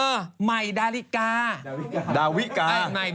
เออมัยดาวิกา